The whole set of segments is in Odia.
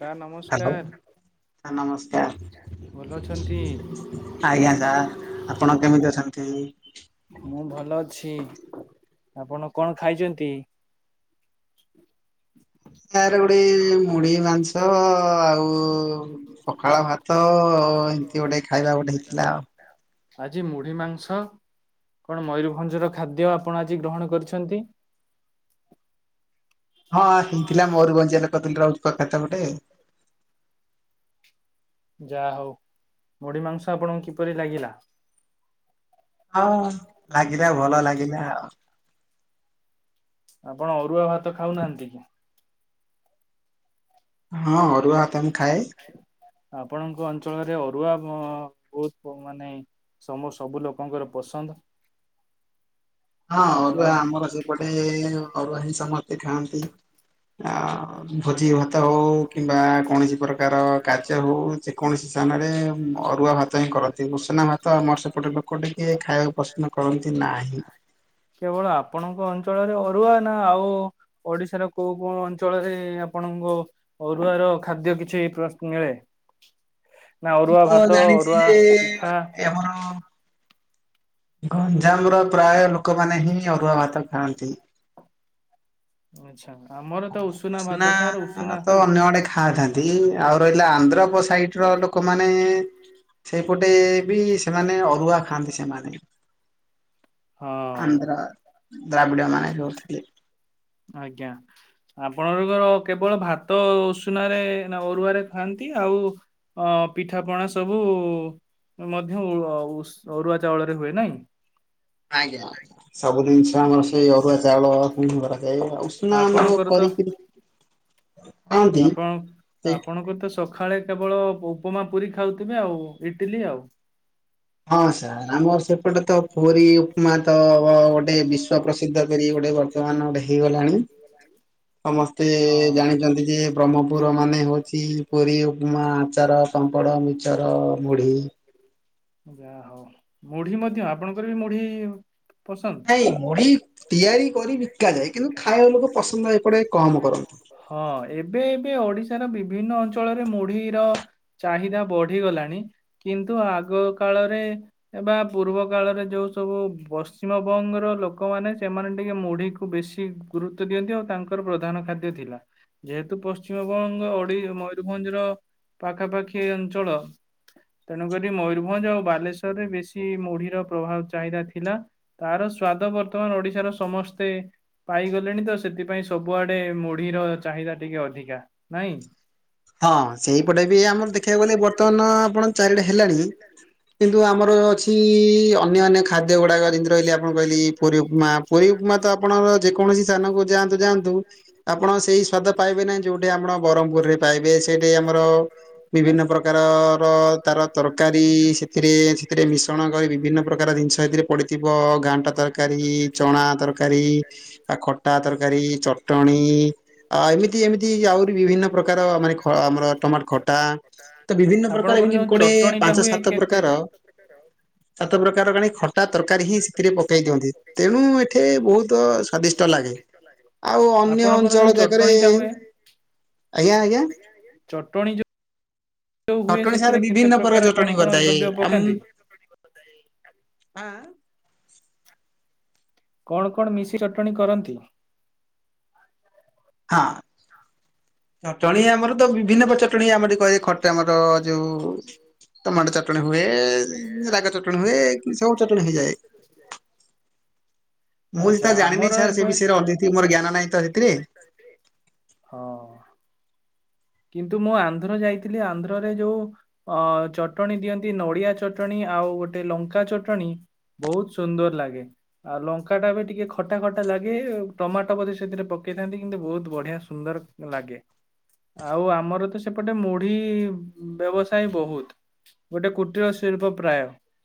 ସାର୍, ନମସ୍କାର। ସାର ନମସ୍କାର। ଆଜ୍ଞା, ସାର୍ ଆପଣ କେମିତି ଅଛନ୍ତି? ମୁଁ ଭଲ ଅଛି। ଆପଣ କଣ ଖାଇଚନ୍ତି? ସାର୍, ଗୋଟେ ମୁଢି ମାଂସ ଆଉ ପଖାଳ ଭାତ, ଏମିତି ଗୋଟେ ଖାଇବା ଗୋଟେ ହେଇଥିଲା ଆଉ। ଆଜି ମୁଢି ମାଂସ କଣ ମୟୂରଭଞ୍ଜର ଖାଦ୍ୟ ଆପଣ ଆଜି ଗ୍ରହଣ କରିଛନ୍ତି? ହଁ ହଁ ହେଇଥିଲା ମୟୁରଭଞ୍ଜିଆ ଲୋକ ଦିଲ୍ଲୀ ରୁ ଆଉଚି ପ୍ରଫେକ୍ଟର ଗୋଟେ। ଯାହା ହଉ ମୁଢି ମାଂସ ଆପଣଙ୍କୁ କିପରି ଲାଗିଲା? ହ ଲାଗିଲା ଭଲ ଲାଗିଲା ଆଉ ଆପଣ ଅରୁଆ ଭାତ ଖାଉନାହାନ୍ତି କି? ହଁ ଅରୁଆ ଭାତ ମୁଁ ଖାଏ। ଆପଣଙ୍କ ଅଞ୍ଚଳରେ ଅରୁଆ ବ ବହୁତ ମାନେ ସମ ସବୁ ଲୋକଙ୍କର ପସନ୍ଦ। ହଁ ଅରୁଆ ଆମର ସେପଟେ ଅରୁଆ ହିଁ ସମସ୍ତେ ଖାଆନ୍ତି। ଆ ଭୋଜି ଭା ଭାତ ହଉ କିମ୍ବା କୌଣସି ପ୍ରକାର କାର୍ଯ୍ୟ ହଉ ଯେକୌଣସି ସ୍ଥାନରେ ଅରୁଆ ଭାତ ହିଁ କରନ୍ତି ଉସନା ଭାତ ଆମର ସେପଟେ ଲୋକ ଟିକେ ଖାଇବାକୁ ପସନ୍ଦ କରନ୍ତି ନାହିଁ। କେବଳ ଆପଣଙ୍କ ଅଞ୍ଚଳରେ ଅରୁଆ ନା ଆଉ ଓଡିଶାର କୋଉ କୋଉ ଅଞ୍ଚଳରେ ଆପଣଙ୍କ ଅରୁଆର ଖାଦ୍ୟ କିଛି ପ୍ରସ ମିଳେ? ନା ଅରୁଆ ଭାତ ଅରୁଆ ପିଠା ଗଞ୍ଜାମର ପ୍ରାୟ ଲୋକମାନେ ହିଁ ଅରୁଆ ଭାତ ଖାଆନ୍ତି। ଆଛା। ନା ନା ତ ଅନ୍ୟ ମନେ ଖାଇଥାନ୍ତି ଏଇ ଆଉ ରହିଲା ଆନ୍ଧ୍ର ବ ସାଇଡ ର ତ ଲୋକମାନେ ସେଇପଟେ ବି ସେମାନେ ଅରୁଆ ଖାଆନ୍ତି ସେମାନେ ଆନ୍ଧ୍ରା ଦ୍ରାବିଡା ମାନେ ଯୋଉ ଥିଲେ ଆଜ୍ଞା ଆପଣଙ୍କର କେବଳ ଭାତ ଉଷୁନାରେ ନା ଅରୁଆରେ ଖଆନ୍ତି ଆଉ ଆଉ ଅ ପିଠାପଣା ସବୁ ମଧ୍ୟ ଉ ଅରୁଆ ଉସ ଅରୁଆ ଚାଉଳରେ ହୁଏ ନାଇଁ? ଆଜ୍ଞା। ସବୁ ଜିନିଷ ଆମର ସେଇ ଅରୁଆ ଚାଉଳ ରେ ହିଁ କରାଯାଏ ଆଉ ଆମର କରିକି [unintelligible] ଆପଣ ଆପଣଙ୍କୁ ତ ସ ସକାଳେ କେବଳ ଉପମା ପୁରୀ ଖାଉଥିବେ ଆଉ ଇଟିଲି ଆଉ। ହଁ ସାର୍ ଆମର ସେପଟେ ପୁରୀ ଉପମା ତ ଗୋଟେ ବିଶ୍ଵ ପ୍ରସିଦ୍ଧ କରି ଗୋଟେ ବର୍ତ୍ତମାନ ଗୋଟେ ହେଇଗଲାଣି ସମସ୍ତେ ଜାଣିଛନ୍ତି ଯେ ବ୍ରହ୍ମପୁର ମାନେ ହଉଚି ପୁରୀ ଉପମା ଆଚାର ପାମ୍ପଡ଼ ମିଚର ମୁଢି ଜା ହୋଉ ମୁଢି ମଧ୍ୟ ଆପଣଙ୍କର ବି ମୁଢି ନାଇଁ ମୁଢି ତିଆରି କରି ବିକା ଯାଏ କିନ୍ତୁ ଖାଇବା ଲୋକ ପସନ୍ଦ ଏପଟେ କମ କରନ୍ତି। ହଁ ଏବେ ଏବେ ଓଡିଶାର ବିଭିନ୍ନ ଅଞ୍ଚଳରେ ମୁଢି ର ଚାହିଦା ବଢିଗଲାଣି କିନ୍ତୁ ଆ ଆଗ କାଳରେ ବା ପୂର୍ବ କାଳରେ ଯୋଉ ସବୁ ପଶ୍ଚିମବଙ୍ଗର ଲୋକମାନେ ସେମାନେ ଟିକେ ମୁଢିକୁୁ ବେଶୀ ଗୁରୁତ୍ୱ ଦିଅନ୍ତି ଆଉ ତାଙ୍କର ପ୍ରଧାନ ଖାଦ୍ୟ ଥିଲା। ଯେହେତୁ ପଶ୍ଚିମବଙ୍ଗ ଓଡି ମୟୂରଭଞ୍ଜର ପାଖାପାଖି ଅଞ୍ଚଳ ତେଣୁକରି ମୟୁରଭଞ୍ଜ ଆଉ ବାଲେଶ୍ୱର ରେ ବେଶୀ ମୁଢିର ପ୍ରଭାବ ଚାହିଦା ଥିଲା ତାର ସ୍ଵାଦ ବର୍ତ୍ତମାନ ଓଡିଶାର ସମସ୍ତେ ପାଇଗଲେଣି ତ ସେଥିପାଇଁ ସବୁଆଡେ ମୁଢି ର ଅଛି ଚାହିଦା ଟିକେ ଅଧିକା ନାଇଁ । ହଁ ସେଇପଟେ ବି ଆମର ଦେଖିବାକୁ ଗଲେ ବର୍ତ୍ତମାନ ଆପଣ ଚାରିଟା ହେଲାଣି କିନ୍ତୁ ଆମର ଅଛି ଅନ୍ୟାନ୍ୟ ଖାଦ୍ୟ ଗୁଡାକ ଯେମିତି ରହିଲେ ଆପଣ କହିଲି ପୁରୀ ଉପମା ପୁରୀମା ତ ଆପଣ ଯେକୌଣସି ସ୍ଥାନକୁ ଯାଆନ୍ତୁ ଯାଆନ୍ତୁ ଆପଣ ସେଇ ସ୍ଵାଦ ପାଇବେ ନାହିଁ ଯୋଉଠି ଆମଣ ବରମପୁରରେ ପାଇବେ ସେଇଠି ଆମର ବିଭିନ୍ନ ପ୍ରକାରର ତାର ତରକାରୀ ସେଥିରେ ସେଥିରେ ମିଶ୍ରଣ କରି ବିଭିନ୍ନ ପ୍ରକାର ଜିନିଷ ଏଥିରେ ପଡିଥିବ ଘାଣ୍ଟ ତରକାରୀ ଚଣା ତରକାରୀ ଆ ଖଟା ତରକାରୀ । ଚଟଣୀ ଆ ଏମିତି ଏମିତି ଆହୁରି ବିଭିନ୍ନ ପ୍ରକ କାର ମାନେ ଖ ଆମର ଟମାଟ ଖଟା ତ ବିଭିନ୍ନ ପ୍ରକାର ଏମିତି ଗୋଟେ ପାଞ୍ଚ ସାତ ପ୍ରକାର [unintelligible] ସାତ ପ୍ରକାରର ଆଣି ଖଟା ତରକାରୀ ହିଁ ସେଥିରେ ପକେଇ ଦିଅନ୍ତି ତେଣୁ ଏଠି ବହୁତ ସ୍ୱାଦି ଶ୍ଟ ଲାଗେ ଆଉ ଅନ୍ୟ ଅଞ୍ଚଳ ଦେଖ ଚଟଣୀ ଟା ହୁଏ ଚଟଣୀ ଯୋଉ ଚଟଣୀ ସାର ବିଭିନ୍ନ ପ୍ରକାର ଚଟଣୀ କରିଥାଏ ଆମ ଆଁ ଆଁ । କଣ କଣ ମିଶି ଚଟଣିୀ କରନ୍ତି? ଚଟଣି ଆମର ତ ବିଭିନ୍ନ ପ୍ରଚଟଣି ଆମେ ଦେ ଏଇ ଖଟେ ଆମର ଯେଉ ଟମାଟୋ ଚଟଣି ହୁଏ ରାଗ ଚଟଣି ହୁଏ ସବୁ ଚଟଣି ହେଇଯାଏ। [inaudible] ମୁଁ ସେ ତ ଜାଣିନି ସାର୍ ସେ ବିଷୟରେ ଅଦିଥି ମୋର ଜ୍ଞାନ ନାହିଁ ତ ସେଥିରେ। ହଁ। କିନ୍ତୁ ମୁଁ ଆନ୍ଧ୍ର ଯାଇଥିଲି ଆନ୍ଧ୍ରରେ ଯୋଉ ଅ ଚଟଣି ଦିଅନ୍ତି ନଡିଆ ଚଟଣି ଆଉ ଗୋଟେ ଲଙ୍କା ଚଟଣି ବହୁତ ସୁନ୍ଦର ଲାଗେ ଆଉ ଲଙ୍କା ଟା ବି ଟିକେ ଖଟା ଖଟା ଲାଗେ ଆଉ ଟମାଟୋ ବୋଧେ ସେଥିରେ ପକେ କେଇଥାନ୍ତି କିନ୍ତୁ ବହୁତ ବଢିଆ ସୁନ୍ଦର ଲାଗେ। ଆଉ ଆମର ତ ସେପଟେ ମୁଢି ବ୍ୟବସାୟ ବହୁତ। ଗୋଟେ କୁଟୀର ଶିଳ୍ପ ପ୍ରାୟ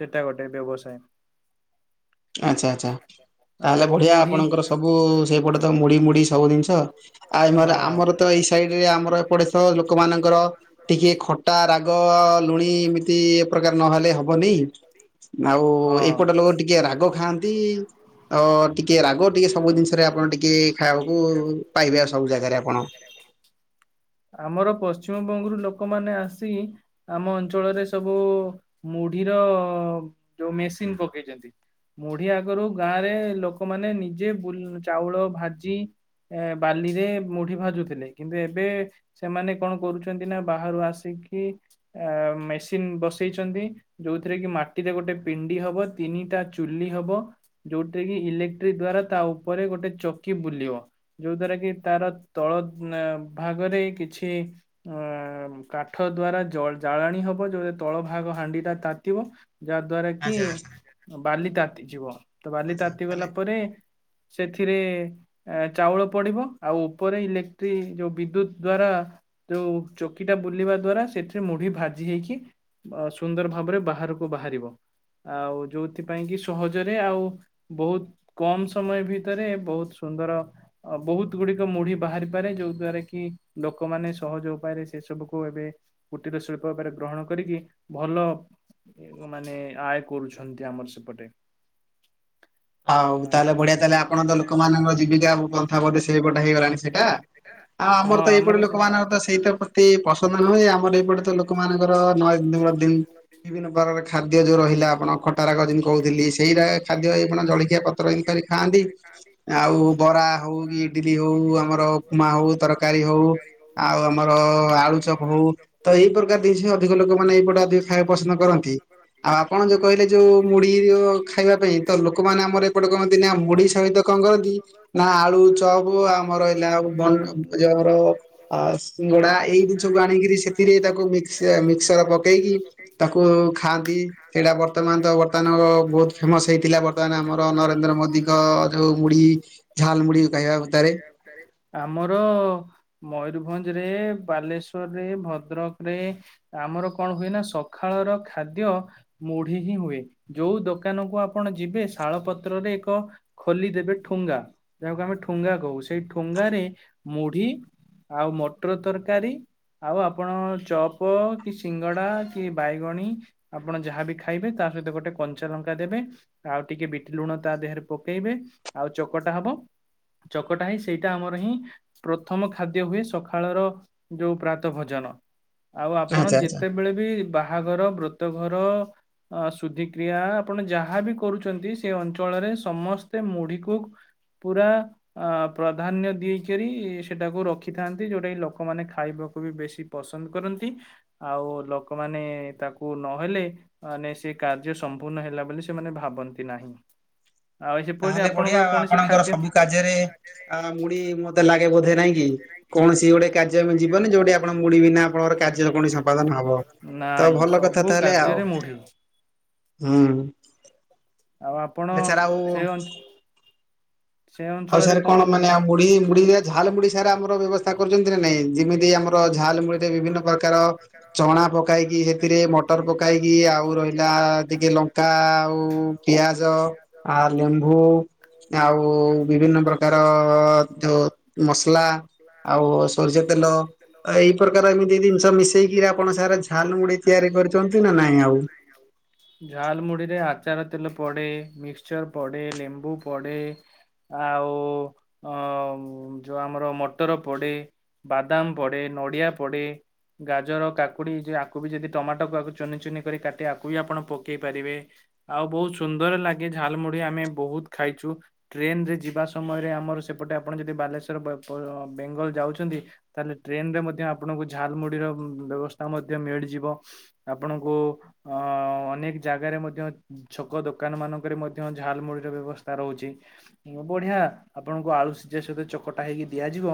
ସେଟା ଗୋଟେ ବ୍ୟବସାୟ। ଆଚ୍ଛା ଆଚ୍ଛା ତାହେଲେ ବଢିଆ ଆପଣଙ୍କର ସବୁ ସେଇପଟେ ତ ମୁଢି ମୁଢି ସବୁ ଜିନିଷ। ଆଇମର ଆମର ତ ଏଇ ସାଇଡରେ ଆ ଆମର ଏପଡିଶ ଲୋକ ମାନଙ୍କର ଟିକେ ଖଟା, ରାଗ, ଲୁଣି ଏମିତି ଏ ପ୍ରକାର ନହେ ହେଲେ ହବନି ଆଉ ଏଇପଟ ଲୋକ ଟିକେ ରାଗ ଖାଆନ୍ତି। ଆଉ ଟିକେ ରାଗ ଟିକେ ସବୁ ଜିନିଷରେ ଆପଣ ଟିକେ ଖାଇବାକୁ ପାଇବେ ଆଉ ସବୁ ଜାଗାରେ ଆପଣ। ଆମର ପଶ୍ଚିମବଙ୍ଗରୁ ଲୋକମାନେ ଆସି ଆମ ଅଞ୍ଚଳରେ ସବୁ ମୁଢି ର ଯୋଉ ମେସିନ୍ ପକେଇଛନ୍ତି। ମୁଢି ଆଗରୁ ଗାଁରେ ଲୋକମାନେ ନିଜେ ବୁଲ୍ ଚାଉଳ ଭାଜି ଏ ବାଲିରେ ମୁଢି ଭାଜୁଥିଲେ କିନ୍ତୁ ଏବ ବେ ସେମାନେ କଣ କରୁଛନ୍ତି ନା ବାହାରୁ ଆସିକି ଆ ମେସିନ୍ ବସେଇଛନ୍ ନ୍ତି ଯୋଉଥିରେ କି ମାଟିରେ ଗୋଟେ ପିଣ୍ଡି ହବ ତିନିଟା ଚୁଲି ହବ ଯୋଉଥିରେ କି ଇଲେକ୍ କ୍ଟ୍ରି ଦ୍ଵାରା ତା ଉପରେ ଗୋଟେ ଚକି ବୁଲିବ ଯୋଉ ଦ୍ଵାରା କି ତାର ତଳ ଏଁ ଭାଗରେ କିଛି ଅ କାଠ ଦ୍ଵାରା ଜ ଜାଳାଣି ହବ ଯୋଉଥିରେ ତଳ ଭାଗ ହାଣ୍ଡି ଟା ତାତିିବ ଯାହା ଦ୍ଵାରା କି ବାଲି ତାତିଯିବ, ତ ବାଲି ତାତି ଗଲା ପରେ ସେଥିରେ ଏ ଚାଉଳ ପଡିବ ଆଉ ଉପରେ ଇଲେକ୍ଟ୍ରି ଯୋଉ ବିଦ୍ୟୁତ ଦ୍ଵାରା ଯୋଉ ଚକିଟା ବୁଲିବା ଦ୍ଵାରା ସେଥିରେ ମୁଢି ଭାଜି ହେଇକି ଅ ସୁନ୍ଦର ଭାବରେ ବାହାରକୁ ବାହାରିବ। ଆଉ ଯୋଉଥିପାଇଁ କି ସହଜରେ ଆଉ ବହୁତ କମ ସମୟ ଭିତରେ ବହୁତ ସୁ ନ୍ଦର ବହୁତ ଗୁଡିକ ମୁଢି ବାହାରିପାରେ ଯୋଉ ଦ୍ଵାରା କି କି ଲୋକମାନେ ସହଜ ଉପାୟରେ, ସେ ସବୁକୁ ଏବେ କୁଟୀର ଶିଳ୍ପ ଉପରେ ଗ୍ରହଣ କରିକି, ଭଲ ଭଲ ମାନେ, ଆୟ କରୁଛନ୍ତି ଆମର ସେପଟେ। ଆଉ ତାହେଲେ ବଢିଆ ତାହେଲେ ଆପଣ ତ ଲୋକମାନଙ୍କର, ଜୀବିକା ପନ୍ଥା ବଦ୍ଧେ ସେପଟେ ହେଇଗଲାଣି ସେଇଟା। ଆଉ ଆମର ତ ଏପଟେ ଲୋକମାନଙ୍କର ତ ସେଇଟା ପ୍ରତି ପସନ୍ଦ ନୁହେଁ। ଆମର ଏପଟ ତ ଲୋକମାନଙ୍କର ନ ଉଁ, ବିଭିନ୍ନ ପ୍ରକାର ଖାଦ୍ୟ ଯୋଉ ରହିଲା, ଆପଣ ଖଟା ରାଗ ଯେମିତି କହୁଥିଲି ସେଇଟା ଖାଦ୍ୟ ଜଳଖିଆ ପତ୍ର ଏଇ ଖାଆନ୍ତି ।ଆଉ ବରା ହଉ କି ଇଡିଲି ହଉ ଆମର ଉପମା ହଉ, ତ ତରକାରୀ ହଉ, ଆଉ ଆମର ଆଳୁ ଚପ ହଉ, ତ ଏଇ ପ୍ରକାର ଡିଷ ହିଁ ଅଧିକ ଲୋକମାନେ ଏଇପଟେ ଅ ଯିଏ ଖାଏ ପସନ୍ଦ କରନ୍ତି। ଆଉ ଆପଣ ଯୋଉ କହିଲେ, ଯୋଉ ମୁଢି ଅ ଖାଇବା ପାଇଁ ତ ଲୋ ଲୋକମାନେ ଆମର ଏପଟେ କରନ୍ତି ନା, ମୁଢି ସହିତ କଣ କରନ୍ତି ନା, ଆଳୁ ଚପ ଆମର ହେଲା ଆଉ ବ ଆଜି ଆମର ଆ-ସିଙ୍ଗଡା ଏଇ ଜିନିଷକୁ ଆଣିକିରି ତାକୁ ଖାଆନ୍ତି ସେଇଟା ବର୍ତ୍ତମାନ ତ ବର୍ତ୍ତମାନ ବହୁତ ଫେମସ ହେଇଥିଲା। ପିଲା ବର୍ତ୍ତମାନ ଆମର ନରେନ୍ଦ୍ର ମୋଦିଙ୍କ ଯୋଉ ମୁଢି ଝାଲ ମୁଢ଼ି ଖାଇବା ଭିତରେ ତ ମୟୁରଭଞ୍ଜ ରେ ବାଲେଶ୍ଵରରେ, ଭଦ୍ରକରେ, ଆମର କଣ ହୁଏ ନା ସକାଳ ମୋର ଖାଦ୍ୟ ମୁଢି ହିଁ ହୁଏ। ଯୋଉ ଦୋକାନ କୁ ଆପଣ ଯିବେ, ଶାଳ ପତ୍ରରେ ତ ଖଲି ଦେବେ ଠୁଙ୍ଗା ।ଯାହାକୁ ଆମେ ଠୁଙ୍ଗା କହୁ ।ସେଇ ଠୁଙ୍ଗାରେ ମୁଢି ଆଉ, ମଟର ତରକାରୀ ଆଉ ଆପଣ ଚପ କି ସିଙ୍ଗଡା କି ବାଇଗଣୀ, ଆପଣ ଯାହାବି ଖାଇବେ ତାର ତା ସହିତ ଗୋଟେ କଞ୍ଚା ଲଙ୍କା ଦେବେ, ଆଉ ଟିକେ ବିଟ ଲୁଣ ତା ଦେହରେ ପକେଇବେ, ଆଉ ଚକଟା ହବ। ଚକଟା ହିଁ, ସେଇଟା ଆମର ହିଁ ପ୍ରଥମ ଖାଦ୍ୟ ହୁଏ। ସକାଳର ଯୋଉ, ପ୍ରାତଃ ଭୋଜନ। ଆଉ ଆପଣ ଯେତେବେଳେ ବି ବାହାଘର, ବ୍ର ବ୍ରତଘର, ଶୁଧିକ୍ରିୟା ଆପଣ ଯାହାବି କରୁଛନ୍ତି, ସେ ଅଞ୍ଚଳରେ ସମସ୍ତେ ମୁଢିକୁ ପୁରା ପ୍ରାଧାନ୍ୟ ଦେଇଛ କରି ସେଟାକୁ ରଖିଥାନ୍ତି ଯୋଉଟା କି ଲୋକମାନେ ଖାଇବାକୁ ବି ବେଶୀ ପସନ୍ଦ କରନ୍ତି। ଆଉ ଓ ଲୋକମାନେ ତାକୁ ନହେଲେ ମାନେ ସେ କାର୍ଯ୍ୟ ସମ୍ପୂର୍ଣ୍ଣ ହେଲା ବୋଲି ସେମାନେ ଭାବନ୍ତିନି। ନାହିଁ। ତାହେଲେ ବଢିଆ ଆପଣଙ୍କର ସବୁ କାର୍ଯ୍ୟରେ, ମୁଢ଼ି ମ ମତେ ଲାଗେ ବୋଧେ ନାଇଁ କି, କୌଣସି ଗୋଟେ କାର୍ଯ୍ୟ କୁ ଯିବନି, ଯୋଉଠି ଆପଣ ମୁଢ଼ି ବିନା ଆପଣଙ୍କର କାର୍ଯ୍ୟ କୌଣସି ସମ୍ପାଦନ ହବ ।ତ ଭଲ କଥା ତାହେଲେ ଆଉ। ରେ ମୁଢ଼ି। ହୁଁ। ଆଚାର ଆଉ ଆଉ ସାର୍ କଣ ମାନେ, ମୁଢି ମୁଢ଼ି ଝାଲ ମୁଢ଼ି ସାର୍ ଆମର ବ୍ୟବସ୍ଥା କରୁଛନ୍ତି ନା ନାଇଁ ।ଯେମିତି ଆମର ତ ଝାଲମୁଢିରେ ବିଭିନ୍ନ ପ୍ରକାର, ଚଣା ପକେଇକି, ସେଥିରେ ମଟର ପକେଇକି, ଆଉ ରହିଲା ଆ ଟିକେ ଲଙ୍କା, ଆଉ ପିଆଜ, ଆ ଲେମ୍ବୁ ଆଉ ବିଭିନ୍ନ ପ୍ରକାର, ଯଉ ମସଲା ଆଉ ସୋରିଷ ତେଲ, ଏଇ ପ୍ରକାର ଏମିତି ଜିନିଷ ମିଶେଇକି, ଆପଣ ସାର ଝାଲ ମୁଡି ତିଆରି ଆରି କରୁଛନ୍ତି ନା ନାଇଁ ଆଉ? ଆଚାର ତେଲ ପଡ଼େ, ମିକ୍ସଚର୍ ପଡ଼େ, ଲେମ୍ବୁ ପଡ଼େ ଆଉ ଅ ଯୋଉ ଆମର ମଟର ପଡେ ବାଦାମ ପଡେ, ନଡ଼ିଆ ପଡେ ଗାଜର, କାକୁଡି ଆକୁ ବି ଯଦି ଟମାଟୋକୁ ଆକୁ ଚୁନି, ଚୁନି କରି କାଟି ଆକୁ ବି ଆପଣ ପକେଇ ପାରିବେ। ଆଉ ବହୁତ ସୁନ୍ଦର ଲାଗେ, ଝାଲ ମୁଢି ଆମେ ବହୁତ ଖାଇଛୁ। ଟ୍ରେନରେ ଯିବା ସମୟରେ, ଆମର ସେପଟେ ଆପଣ ଯଦି ବାଲେଶ୍ୱର ବେଙ୍ଗଲ ଯାଉଛନ୍ତି। ତାହେଲେ ଟ୍ରେନରେ ମଧ୍ୟ ଆପଣଙ୍କୁ, ଝାଲମୁଢୀର ବ୍ୟବସ୍ଥା ମଧ୍ୟ ମିଳିଯିବ। ଆପଣଙ୍କୁ ଅନେକ ଜାଗାରେ ମଧ୍ୟ, ଛକ ଦୋକାନମାନଙ୍କରେ ମଧ୍ୟ ଝାଲମୁଢୀର ବ୍ୟବସ୍ଥା ରହୁଛି। ବଢିଆ, ଆପଣଙ୍କୁ ଆଳୁ ସିଝା ସହିତ ଚକଟା ହେଇକି ଦିଆଯିବ।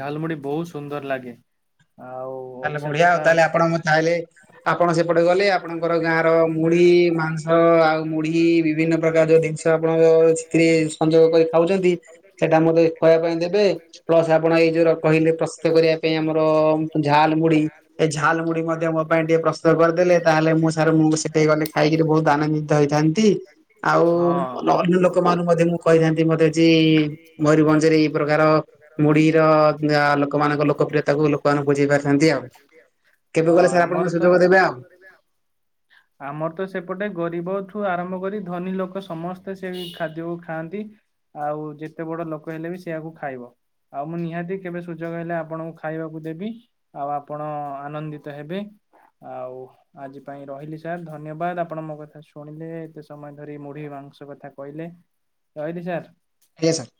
ଝାଲ ମୁଢ଼ି ବହୁତ ସୁନ୍ଦର ଲାଗେ। ତାହେଲେ ବଢିଆ ଆଉ, ତାହେଲେ ଆପଣ ମ -ତାହେଲେ ଆପଣ ସେପଟେ ଗଲେ ଆପଣଙ୍କର ଗାଁର ମୁଢି, ମାଂ ମାଶଂ ଆଉ ମୁଢି ବିଭିନ୍ନ ପ୍ରକାର ଯୋଉ ଜିନିଷ ଆପଣଙ୍କ। ସଂଯୋଗ କରି ଖାଉଛନ୍ତି ସେଟା ମତେ ଖୁଇବା ପାଇଁ ଦେବେ ପ୍ଲସ ଆପଣ ଏଇ ଯୋଉ କହି। କିମତି ପ୍ରସ୍ତୁତ କରିବା ପାଇଁ ଆମର ଝାଲ ମୁୁଢୀ ଏ ଝାଲ ମୁୁଢି ମଧ୍ୟ ମୋ ପାଇଁ ଟିକେ ପ୍ରସ୍ତୁତ କରିଦେଲେ ତାହେଲେ ମୁଁ ସାର ମୁଁ ସେଠେଇି ଗଲେ ଖାଇକି ବହୁତ ଆନନ୍ଦିତ ହେଇଥାନ୍ତି ଆଉ ଅନ୍ୟ ଲୋକ ଲୋକ ମଙ୍କୁ ମଧ୍ୟ ମୁଁ କହିଥାନ୍ତି ମତେ ଯେ ମୟୂରଭଞ୍ଜ ରେ ଏଇ ପ୍ରକାର ମୁଢ଼ି ର ଲୋକମାନଙ୍କ ଲୋକପ୍ରିୟତା କୁ ଲୋକମାନେ ଆଉ କେବେ ଗଲେ ସାର୍ ଆପଣଙ୍କ ସୁଯୋଗ ଦେବେ ଆଉ? ଆମର ତ ସେପଟେ ଗରିବ ଠୁ ଆରମ୍ଭ କରି ଧନୀ ଲୋକ ସମସ୍ତେ। ସେ ଖାଦ୍ୟକୁ ଖାଆନ୍ତି ଆଉ ଯେତେ ବଡ ଲୋକ ହେଲେ ବି ସେୟକୁ ଖାଇବ। ଆଉ ମୁଁ ନିହାତି କେବେ ସୁଯୋଗ ହେଲେ ଆପଣଙ୍କୁ ଖାଇବାକୁ ଦେବି ଆଉ ଆପଣ ଆନନ୍ଦିତ ହେବେ। ଆଉ ଆଜି ପାଇଁ ରହିଲି ସାର୍ ଧନ୍ୟବାଦ ଆପଣ ମୋ କଥା ଶୁଣିଲେ ଏତେ ସମୟ ଧରି ମୁଢ ମାଂସ। କଥା କହିଲେ ରହିଲି ସାର୍। ଆଜ୍ଞା ସାର୍।